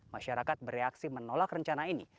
masyarakat bereaksi menolak rencana ini